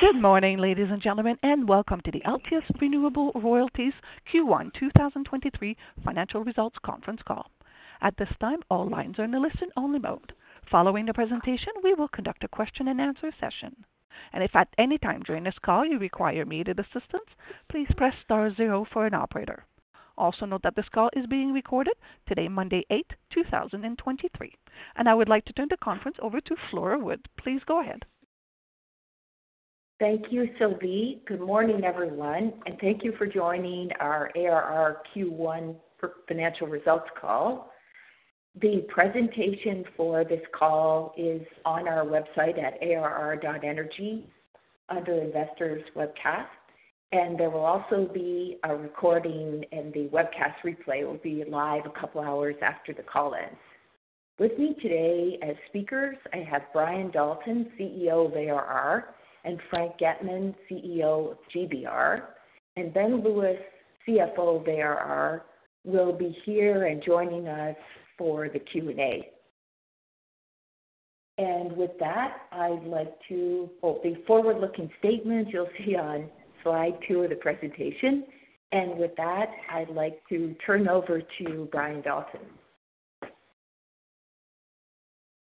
Good morning, ladies and gentlemen, and welcome to the Altius Renewable Royalties Q1 2023 financial results conference call. At this time, all lines are in a listen-only mode. Following the presentation, we will conduct a question-and-answer session. If at any time during this call you require immediate assistance, please press star zero for an operator. Also note that this call is being recorded today, Monday 8, 2023. I would like to turn the conference over to Flora Wood. Please go ahead. Thank you, Sylvie. Good morning, everyone, and thank you for joining our ARR Q1 financial results call. The presentation for this call is on our website at arr.energy under Investors Webcast. There will also be a recording, and the webcast replay will be live a couple of hours after the call ends. With me today as speakers, I have Brian Dalton, CEO of ARR, and Frank Getman, CEO of GBR. Ben Lewis, CFO of ARR, will be here and joining us for the Q&A. With that, the forward-looking statements you'll see on slide two of the presentation. With that, I'd like to turn over to Brian Dalton.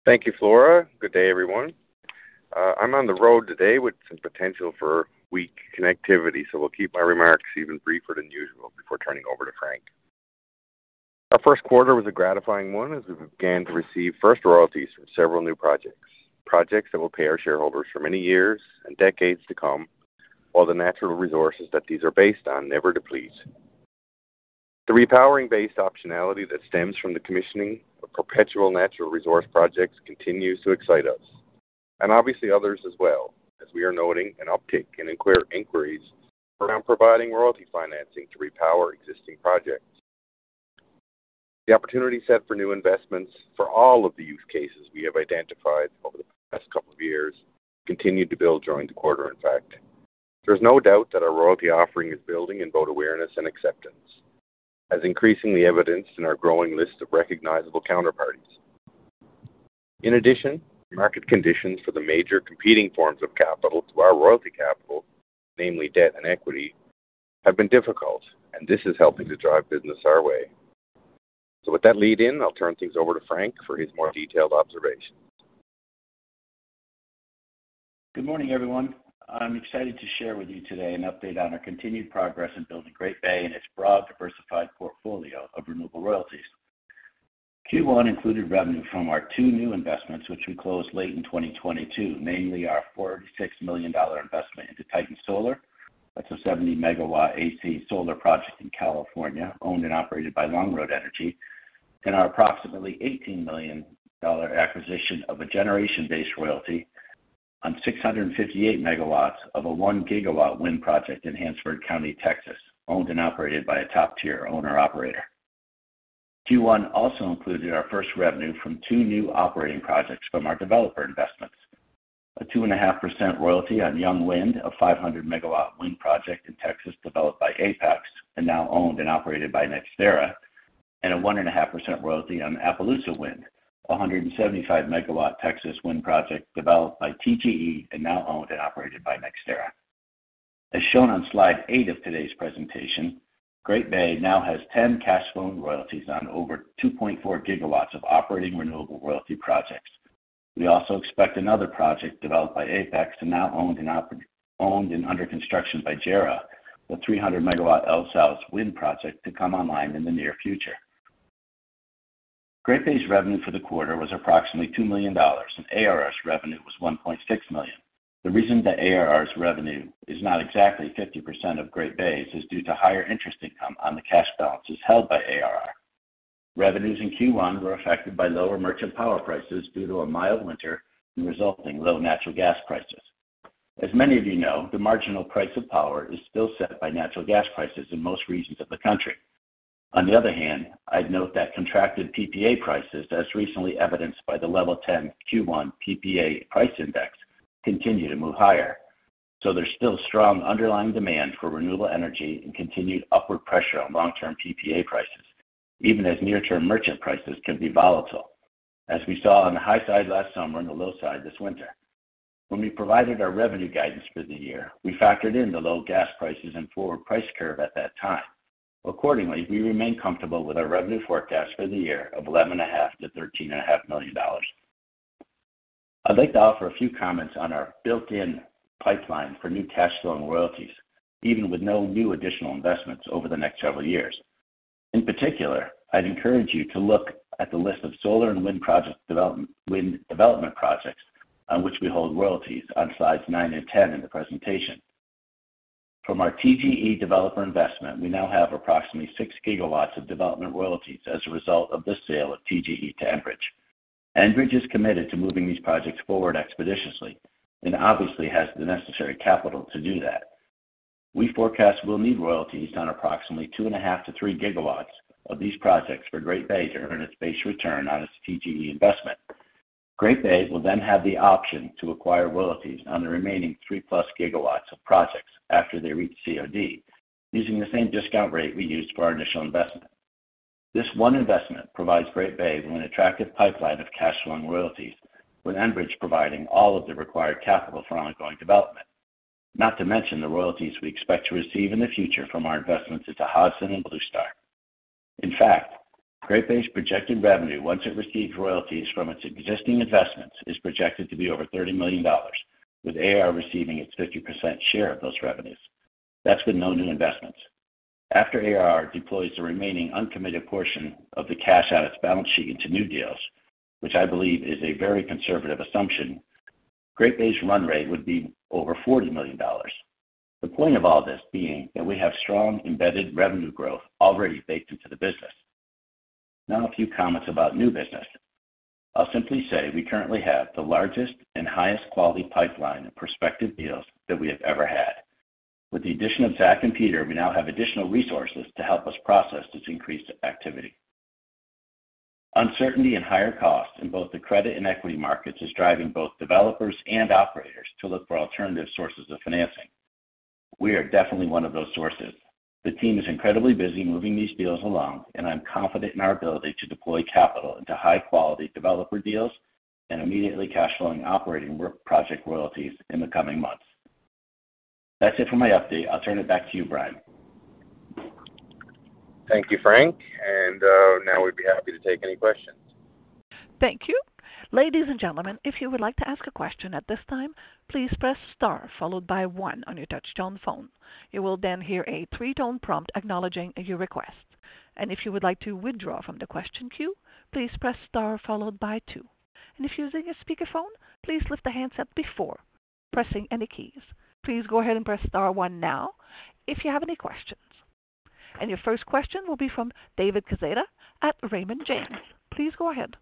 Thank you, Flora. Good day, everyone. I'm on the road today with some potential for weak connectivity, we'll keep my remarks even briefer than usual before turning over to Frank. Our first quarter was a gratifying one as we began to receive first royalties from several new projects that will pay our shareholders for many years and decades to come, while the natural resources that these are based on never deplete. The repowering based optionality that stems from the commissioning of perpetual natural resource projects continues to excite us and obviously others as well, as we are noting an uptick in inquiries around providing royalty financing to repower existing projects. The opportunity set for new investments for all of the use cases we have identified over the past couple of years continued to build during the quarter in fact. There is no doubt that our royalty offering is building in both awareness and acceptance, as increasingly evidenced in our growing list of recognizable counterparties. In addition, market conditions for the major competing forms of capital to our royalty capital, namely debt and equity, have been difficult, and this is helping to drive business our way. With that lead in, I'll turn things over to Frank for his more detailed observations. Good morning, everyone. I'm excited to share with you today an update on our continued progress in building Great Bay and its broad diversified portfolio of renewable royalties. Q1 included revenue from our two new investments, which we closed late in 2022, namely our $46 million investment into Titan Solar. That's a 70 MW AC solar project in California, owned and operated by Longroad Energy, and our approximately $18 million acquisition of a generation-based royalty on 658 MW of a 1 GW wind project in Hansford County, Texas, owned and operated by a top-tier owner operator. Q1 also included our first revenue from two new operating projects from our developer investments. A 2.5% royalty on Young Wind, a 500 MW wind project in Texas developed by Apex and now owned and operated by NextEra, and a 1.5% royalty on Appaloosa Run, a 175 MW Texas wind project developed by TGE and now owned and operated by NextEra. As shown on slide eight of today's presentation, Great Bay now has 10 cash flowing royalties on over 2.4 GW of operating renewable royalty projects. We also expect another project developed by Apex and now owned and under construction by JERA, the 300 MW El Sauz wind project to come online in the near future. Great Bay's revenue for the quarter was approximately $2 million, and ARR's revenue was $1.6 million. The reason that ARR's revenue is not exactly 50% of Great Bay's is due to higher interest income on the cash balances held by ARR. Revenues in Q1 were affected by lower merchant power prices due to a mild winter and resulting low natural gas prices. As many of you know, the marginal price of power is still set by natural gas prices in most regions of the country. On the other hand, I'd note that contracted PPA prices, as recently evidenced by the LevelTen Q1 PPA price index, continue to move higher. There's still strong underlying demand for renewable energy and continued upward pressure on long-term PPA prices, even as near-term merchant prices can be volatile, as we saw on the high side last summer and the low side this winter. When we provided our revenue guidance for the year, we factored in the low gas prices and forward price curve at that time. Accordingly, we remain comfortable with our revenue forecast for the year of $11.5 million-$13.5 million. I'd like to offer a few comments on our built-in pipeline for new cash flowing royalties, even with no new additional investments over the next several years. In particular, I'd encourage you to look at the list of solar and wind development projects on which we hold royalties on slides nine and ten in the presentation. From our TGE developer investment, we now have approximately 6 GW of development royalties as a result of the sale of TGE to Enbridge. Enbridge is committed to moving these projects forward expeditiously and obviously has the necessary capital to do that. We forecast we'll need royalties on approximately 2.5 GW-3 GW of these projects for Great Bay to earn its base return on its TGE investment. Great Bay will then have the option to acquire royalties on the remaining 3 GW+ of projects after they reach COD using the same discount rate we used for our initial investment. This one investment provides Great Bay with an attractive pipeline of cash flowing royalties, with Enbridge providing all of the required capital for ongoing development. Not to mention the royalties we expect to receive in the future from our investments into Hodson and Bluestar. In fact, Great Bay's projected revenue once it receives royalties from its existing investments is projected to be over $30 million, with ARR receiving its 50% share of those revenues. That's with no new investments. After ARR deploys the remaining uncommitted portion of the cash on its balance sheet into new deals, which I believe is a very conservative assumption, Great Bay's run rate would be over $40 million. The point of all this being that we have strong embedded revenue growth already baked into the business. A few comments about new business. I'll simply say we currently have the largest and highest quality pipeline of prospective deals that we have ever had. With the addition of Zach and Peter, we now have additional resources to help us process this increased activity. Uncertainty and higher costs in both the credit and equity markets is driving both developers and operators to look for alternative sources of financing. We are definitely one of those sources. The team is incredibly busy moving these deals along, and I'm confident in our ability to deploy capital into high-quality developer deals and immediately cash flowing operating work project royalties in the coming months. That's it for my update. I'll turn it back to you, Brian. Thank you, Frank. Now we'd be happy to take any questions. Thank you. Ladies and gentlemen, if you would like to ask a question at this time, please press star followed by one on your touchtone phone. You will then hear a three-tone prompt acknowledging your request. If you would like to withdraw from the question queue, please press star followed by two. If you're using a speakerphone, please lift the handset before pressing any keys. Please go ahead and press star one now if you have any questions. Your first question will be from David Quezada at Raymond James. Please go ahead.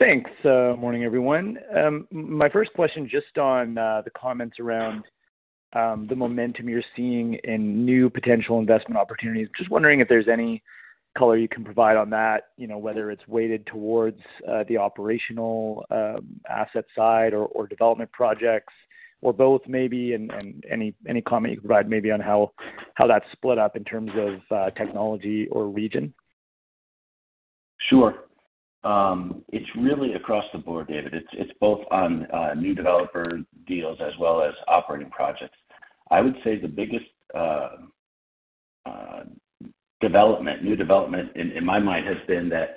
Thanks. Morning, everyone. My first question, just on the comments around the momentum you're seeing in new potential investment opportunities. Just wondering if there's any color you can provide on that, you know, whether it's weighted towards the operational asset side or development projects or both maybe? Any comment you could provide maybe on how that's split up in terms of technology or region. Sure. It's both on new developer deals as well as operating projects. I would say the biggest development, new development in my mind has been that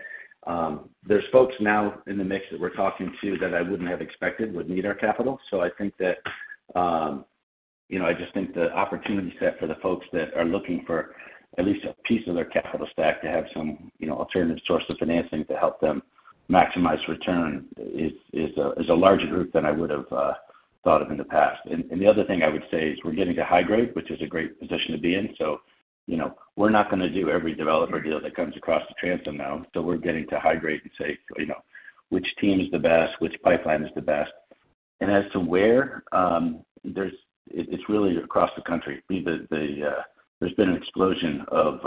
there's folks now in the mix that we're talking to that I wouldn't have expected would need our capital. I think that, you know, I just think the opportunity set for the folks that are looking for at least a piece of their capital stack to have some, you know, alternative source of financing to help them maximize return is a larger group than I would've thought of in the past. The other thing I would say is we're getting to high-grade, which is a great position to be in. You know, we're not gonna do every developer deal that comes across the transom now. We're getting to high-grade and say, you know, which team is the best, which pipeline is the best. As to where, it's really across the country. The, there's been an explosion of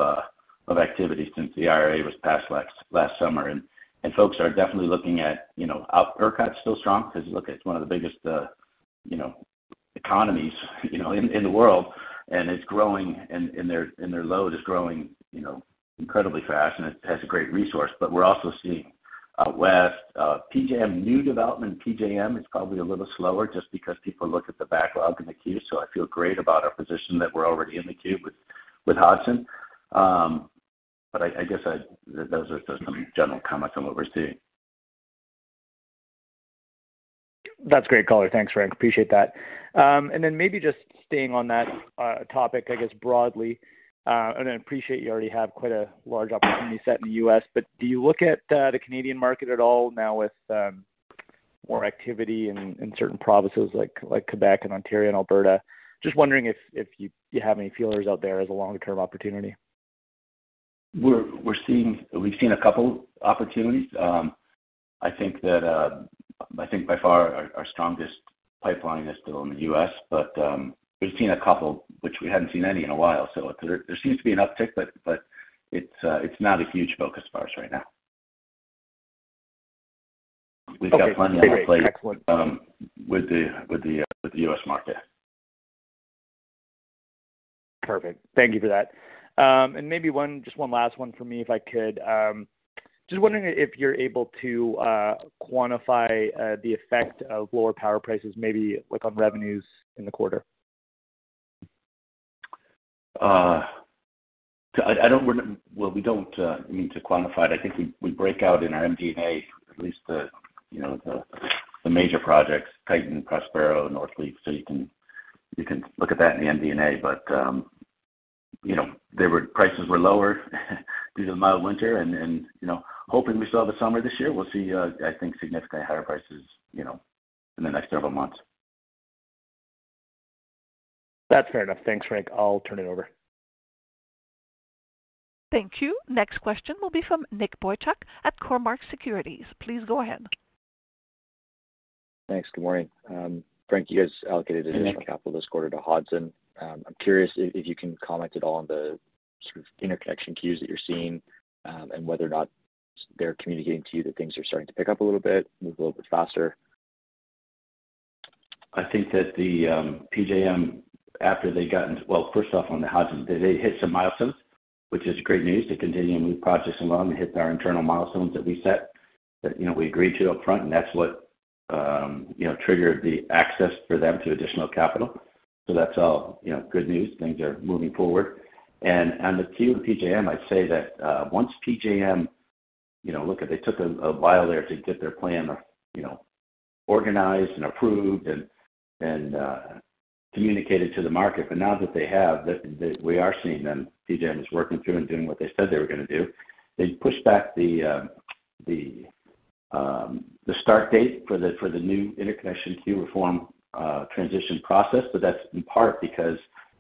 activity since the IRA was passed last summer. Folks are definitely looking at, you know, ERCOT's still strong because, look, it's one of the biggest, you know, economies, you know, in the world, and it's growing and their load is growing, you know, incredibly fast, and it has a great resource. We're also seeing, out west, PJM. New development in PJM is probably a little slower just because people look at the backlog in the queue. I feel great about our position that we're already in the queue with Hodson. I guess. Those are just some general comments on what we're seeing. That's great color. Thanks, Frank. Appreciate that. Then maybe just staying on that topic, I guess, broadly, and I appreciate you already have quite a large opportunity set in the U.S., but do you look at the Canadian market at all now with more activity in certain provinces like Quebec and Ontario and Alberta? Just wondering if you have any feelers out there as a long-term opportunity. We've seen a couple opportunities. I think that I think by far our strongest pipeline is still in the U.S., but we've seen a couple, which we hadn't seen any in a while. There seems to be an uptick, but it's not a huge focus for us right now. Okay. We've got plenty on our plate, with the U.S. market. Perfect. Thank you for that. Maybe one, just one last one for me, if I could. Just wondering if you're able to quantify the effect of lower power prices, maybe like on revenues in the quarter? I don't. Well, we don't need to quantify it. I think we break out in our MD&A at least the, you know, the major projects, Titan, Prospero, Northleaf, so you can look at that in the MD&A. You know, prices were lower due to the mild winter and, you know, hoping we still have a summer this year. We'll see, I think significantly higher prices, you know, in the next several months. That's fair enough. Thanks, Frank. I'll turn it over. Thank you. Next question will be from Nicholas Boychuk at Cormark Securities. Please go ahead. Thanks. Good morning. Frank, you guys allocated- Hey, Nick.... additional capital this quarter to Hodson. I'm curious if you can comment at all on the sort of interconnection queues that you're seeing, and whether or not they're communicating to you that things are starting to pick up a little bit, move a little bit faster. Well, first off, on the Hodson, they hit some milestones, which is great news. They continue to move projects along and hit our internal milestones that we set, that, you know, we agreed to up front, and that's what, you know, triggered the access for them to additional capital. That's all, you know, good news. Things are moving forward. On the queue of PJM, I'd say that once PJM, you know, look, they took a while there to get their plan, you know, organized and approved and communicated to the market. Now that they have, we are seeing them. PJM is working through and doing what they said they were gonna do. They pushed back the start date for the new interconnection queue reform transition process, but that's in part because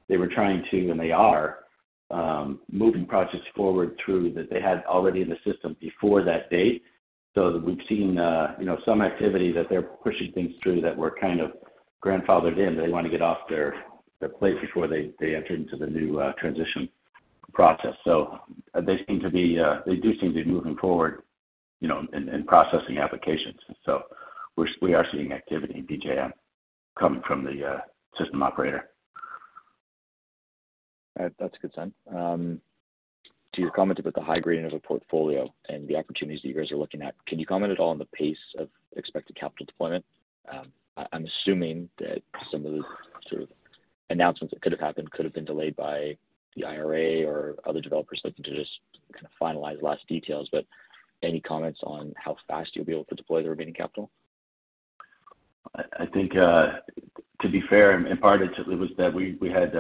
they were trying to, and they are, moving projects forward through that they had already in the system before that date. we've seen, you know, some activity that they're pushing things through that were kind of grandfathered in. They wanna get off their plate before they enter into the new transition process. they seem to be, they do seem to be moving forward, you know, in processing applications. we are seeing activity in PJM coming from the system operator. That's a good sign. You commented about the high grade of the portfolio and the opportunities that you guys are looking at. Can you comment at all on the pace of expected capital deployment? I'm assuming that some of the sort of announcements that could have happened could have been delayed by the IRA or other developers looking to just kind of finalize the last details. Any comments on how fast you'll be able to deploy the remaining capital? I think, to be fair, and part of it was that we had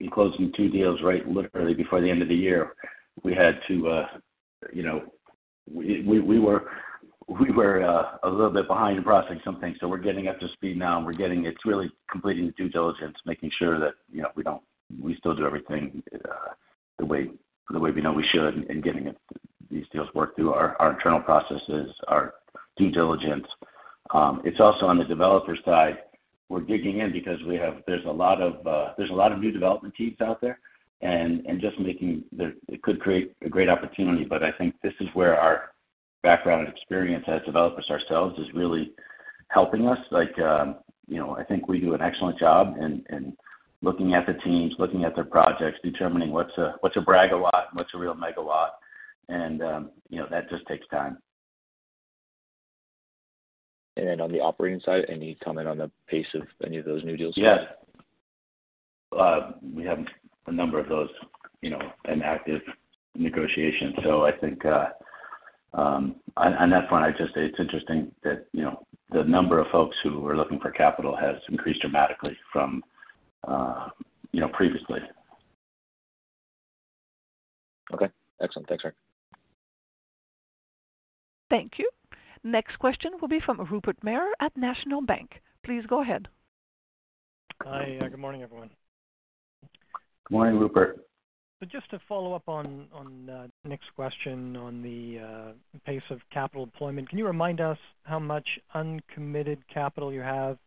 in closing two deals, right, literally before the end of the year. We had to, you know. We were a little bit behind in processing some things, so we're getting up to speed now, and we're getting. It's really completing the due diligence, making sure that, you know, we still do everything the way we know we should and getting it, these deals worked through our internal processes, our due diligence. It's also on the developer side, we're digging in because there's a lot of new development teams out there and just it could create a great opportunity. I think this is where our background and experience as developers ourselves is really helping us. Like, you know, I think we do an excellent job in looking at the teams, looking at their projects, determining what's a brag a lot, and what's a real megawatt. You know, that just takes time. On the operating side, any comment on the pace of any of those new deals? Yes. We have a number of those, you know, in active negotiation. I think, on that front, I'd just say it's interesting that, you know, the number of folks who are looking for capital has increased dramatically from, you know, previously. Okay. Excellent. Thanks, Frank. Thank you. Next question will be from Rupert Merer at National Bank. Please go ahead. Hi. Good morning, everyone. Good morning, Rupert. Just to follow up on Nick's question on the pace of capital deployment. Can you remind us how much uncommitted capital you have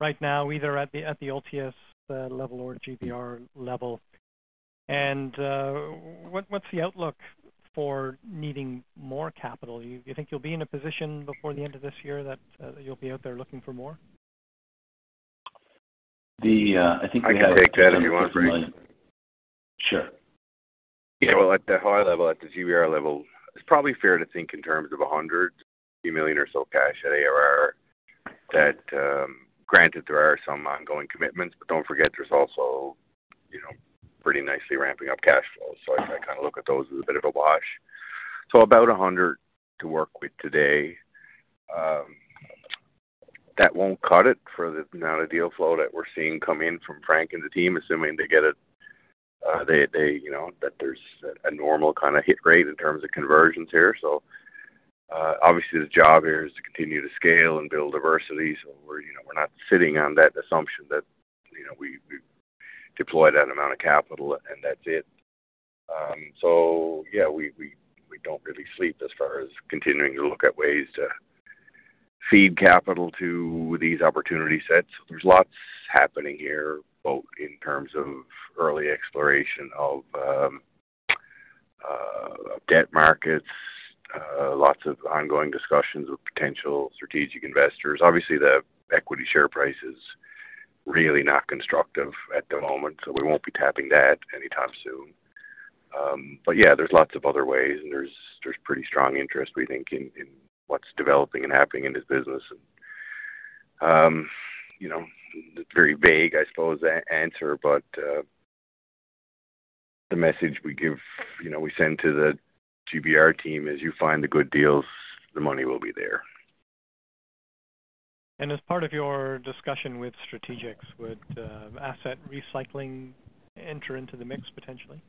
right now, either at the ARR level or GBR level? What's the outlook for needing more capital? You think you'll be in a position before the end of this year that you'll be out there looking for more? The—I think we had- I can take that if you want, Frank. Sure. Well, at the high level, at the GBR level, it's probably fair to think in terms of $100 million or so cash at ARR that, granted there are some ongoing commitments. Don't forget there's also, you know, pretty nicely ramping up cash flows. I kind of look at those as a bit of a wash. About $100 to work with today. That won't cut it for the amount of deal flow that we're seeing come in from Frank and the team, assuming they get a, you know, that there's a normal kinda hit rate in terms of conversions here. Obviously, the job here is to continue to scale and build diversity. We're, you know, we're not sitting on that assumption that, you know, we deploy that amount of capital, and that's it. Yeah, we don't really sleep as far as continuing to look at ways to feed capital to these opportunity sets. There's lots happening here, both in terms of early exploration of debt markets, lots of ongoing discussions with potential strategic investors. Obviously, the equity share price is really not constructive at the moment, so we won't be tapping that anytime soon. Yeah, there's lots of other ways, and there's pretty strong interest, we think, in what's developing and happening in this business. You know, it's very vague, I suppose, answer, but the message we give, you know, we send to the GBR team, as you find the good deals, the money will be there. As part of your discussion with strategics, would asset recycling enter into the mix potentially?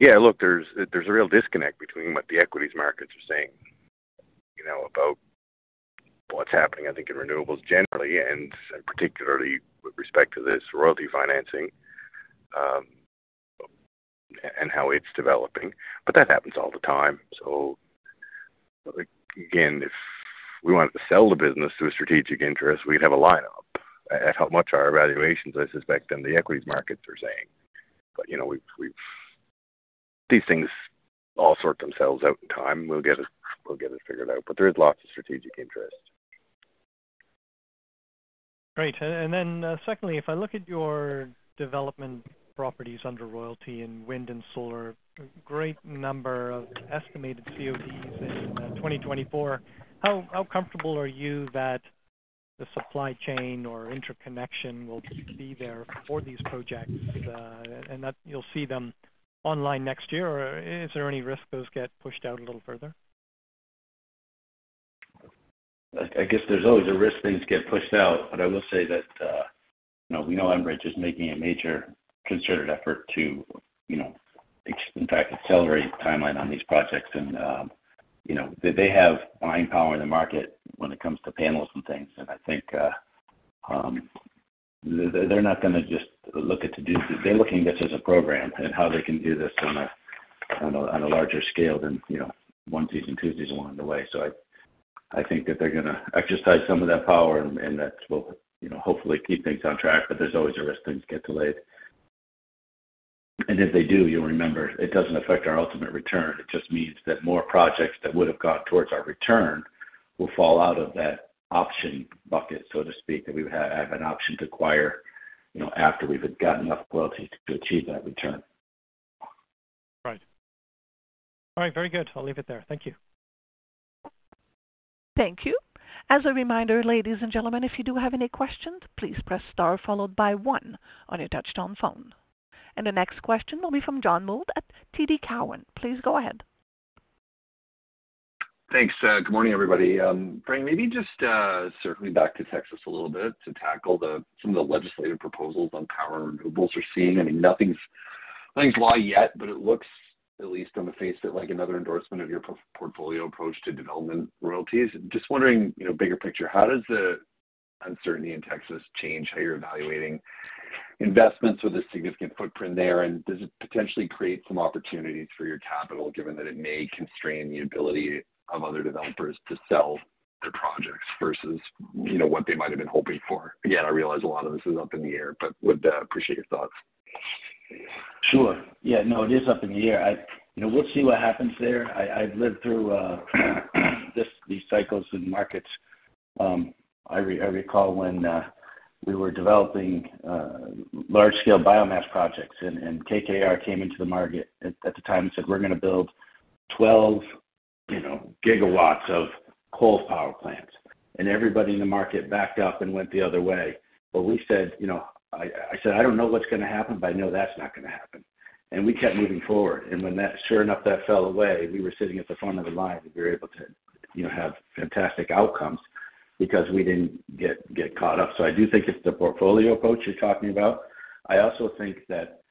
Yeah. Look, there's a real disconnect between what the equities markets are saying, you know, about what's happening, I think, in renewables generally and particularly with respect to this royalty financing, and how it's developing. That happens all the time. Again, if we wanted to sell the business to a strategic interest, we'd have a lineup at how much our valuations, I suspect, than the equities markets are saying. You know, we've These things all sort themselves out in time. We'll get it, we'll get it figured out, there is lots of strategic interest. Great. Secondly, if I look at your development properties under royalty in wind and solar, a great number of estimated CODs in 2024. How comfortable are you that the supply chain or interconnection will be there for these projects, and that you'll see them online next year? Is there any risk those get pushed out a little further? I guess there's always a risk things get pushed out. I will say that, you know, we know Enbridge is making a major concerted effort to, you know, in fact, accelerate the timeline on these projects. You know, they have buying power in the market when it comes to panels and things. I think they're not gonna just look at. They're looking at this as a program and how they can do this on a larger scale than, you know, one season, two seasons along the way. I think that they're gonna exercise some of that power and that will, you know, hopefully keep things on track. There's always a risk things get delayed. If they do, you'll remember it doesn't affect our ultimate return. It just means that more projects that would have gone towards our return will fall out of that option bucket, so to speak, that we would have an option to acquire, you know, after we've gotten enough royalty to achieve that return. Right. All right, very good. I'll leave it there. Thank you. Thank you. As a reminder, ladies and gentlemen, if you do have any questions, please press star followed by 1 on your touchtone phone. The next question will be from John Mould at TD Cowen. Please go ahead. Thanks. Good morning, everybody. Frank, maybe just circling back to Texas a little bit to tackle some of the legislative proposals on power renewables we're seeing. I mean, nothing's law yet, but it looks at least on the face that like another endorsement of your portfolio approach to development royalties. Just wondering, you know, bigger picture, how does the uncertainty in Texas change how you're evaluating investments with a significant footprint there? Does it potentially create some opportunities for your capital, given that it may constrain the ability of other developers to sell their projects versus, you know, what they might have been hoping for? Again, I realize a lot of this is up in the air, but would appreciate your thoughts. Sure. Yeah, no, it is up in the air. You know, we'll see what happens there. I've lived through these cycles in markets. I recall when we were developing large scale biomass projects and KKR came into the market at the time and said, "We're gonna build 12 GW of coal power plants." Everybody in the market backed up and went the other way. You know, I said, "I don't know what's gonna happen, but I know that's not gonna happen." We kept moving forward. When that, sure enough, that fell away, we were sitting at the front of the line, and we were able to, you know, have fantastic outcomes because we didn't get caught up. I do think it's the portfolio approach you're talking about. I also think that,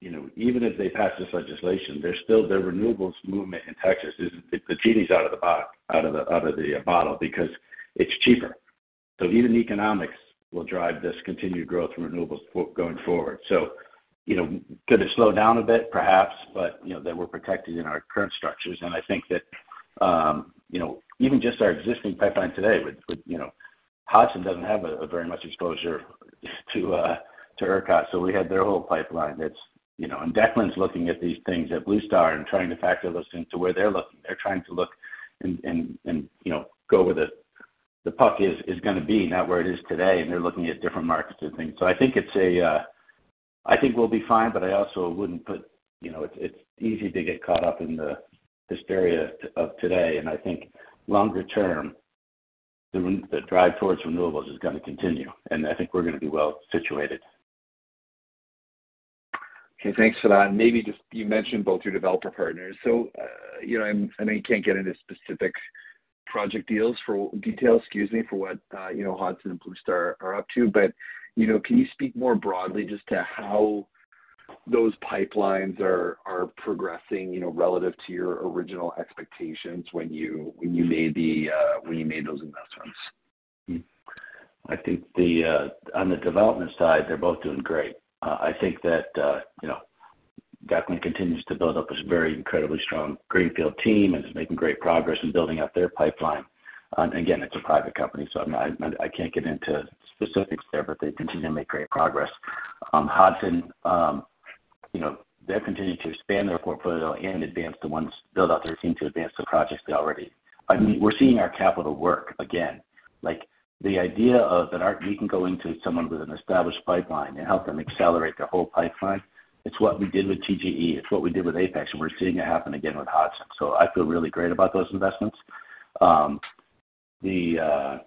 you know, even if they pass this legislation, there's still the renewables movement in Texas is. The genie is out of the bottle because it's cheaper. Even economics will drive this continued growth in renewables going forward. You know, could it slow down a bit? Perhaps. You know, that we're protected in our current structures. I think that, you know, even just our existing pipeline today with, you know, Hodson doesn't have very much exposure to ERCOT. We had their whole pipeline. It's, you know. Declan's looking at these things at Bluestar and trying to factor those into where they're looking. They're trying to look and, you know, go where the puck is going to be, not where it is today. They're looking at different markets and things. I think it's a. I think we'll be fine, but I also wouldn't put—you know, it's easy to get caught up in the hysteria of today. I think longer term, the drive towards renewables is gonna continue, and I think we're gonna be well situated. Okay. Thanks for that. Maybe just, you mentioned both your developer partners. You know, and, I know you can't get into specific project deals for details, excuse me, for what, you know, Hodson Energy and Bluestar Energy Capital are up to. You know, can you speak more broadly just to how those pipelines are progressing, you know, relative to your original expectations when you, when you made the, when you made those investments? I think the on the development side, they're both doing great. I think that, you know, Declan continues to build up this very incredibly strong greenfield team and is making great progress in building out their pipeline. Again, it's a private company, so I can't get into specifics there, but they continue to make great progress. Hodson, you know, they've continued to expand their portfolio and advance the ones build out their team to advance the projects they already. I mean, we're seeing our capital work again. Like, the idea of that we can go into someone with an established pipeline and help them accelerate their whole pipeline. It's what we did with TGE, it's what we did with Apex, and we're seeing it happen again with Hodson. I feel really great about those investments. The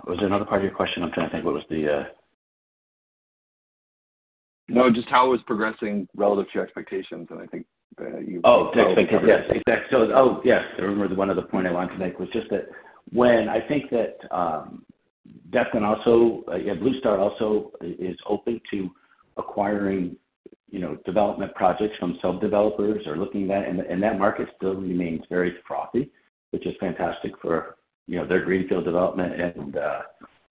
What was another part of your question? I'm trying to think what was the... No, just how it was progressing relative to your expectations. I think, you know, Oh. covered it. Yes, exact. Yes. I remember one other point I wanted to make was just that when. I think that, Declan also, Bluestar also is open to acquiring, you know, development projects from sub-developers or looking that. That market still remains very frothy, which is fantastic for, you know, their greenfield development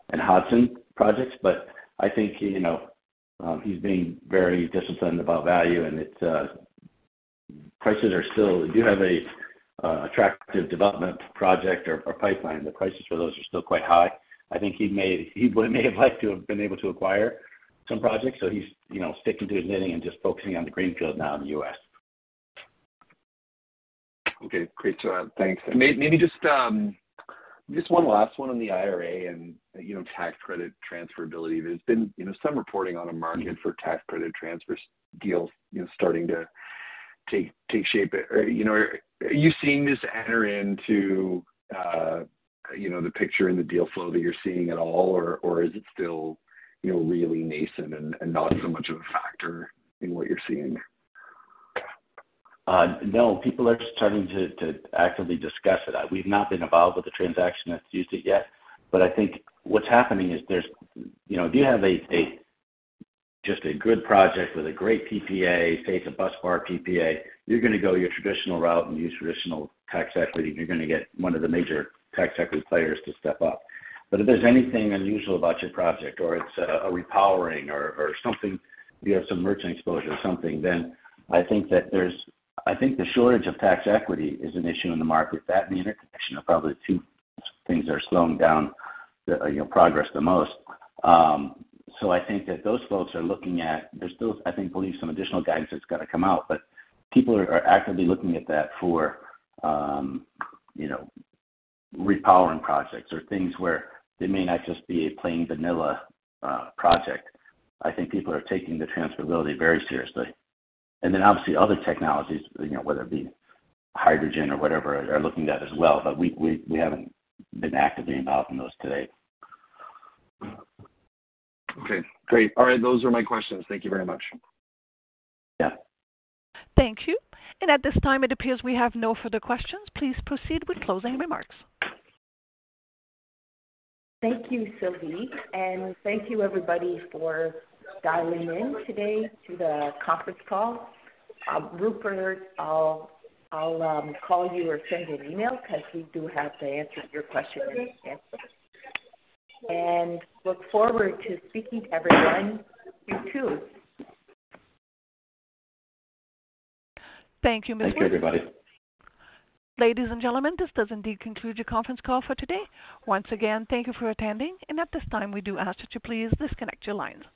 and Hodson projects. I think, you know, he's being very disciplined about value, and it's. Prices are still. We do have a attractive development project or pipeline. The prices for those are still quite high. He would may have liked to have been able to acquire some projects. He's, you know, sticking to his knitting and just focusing on the greenfield now in the U.S. Okay, great. thanks. maybe just one last one on the IRA and, you know, tax credit transferability. There's been, you know, some reporting on a market for tax credit transfers deals, you know, starting to take shape. you know, are you seeing this enter into, you know, the picture and the deal flow that you're seeing at all, or is it still, you know, really nascent and not so much of a factor in what you're seeing? No, people are starting to actively discuss it. We've not been involved with the transaction that's used it yet. I think what's happening is there's. You know, if you have a just a good project with a great PPA, say it's a busbar PPA, you're gonna go your traditional route and use traditional tax equity, and you're gonna get one of the major tax equity players to step up. If there's anything unusual about your project or it's a repowering or something, you have some merchant exposure or something, then I think that the shortage of tax equity is an issue in the market. That and the interconnection are probably two things that are slowing down, you know, progress the most. I think that those folks are looking at. There's still, I think, believe some additional guidance that's gonna come out, but people are actively looking at that for, you know, repowering projects or things where they may not just be a plain vanilla project. I think people are taking the transferability very seriously. Then obviously, other technologies, you know, whether it be hydrogen or whatever, are looking at as well. We haven't been actively involved in those to date. Okay, great. All right, those are my questions. Thank you very much. Yeah. Thank you. At this time, it appears we have no further questions. Please proceed with closing remarks. Thank you, Sylvie. Thank you everybody for dialing in today to the conference call. Rupert, I'll call you or send an email 'cause we do have the answer to your question ready to answer. Look forward to speaking to everyone again soon. Thank you, Ms. Wood. Thank you, everybody. Ladies and gentlemen, this does indeed conclude your conference call for today. Once again, thank you for attending. At this time, we do ask that you please disconnect your lines.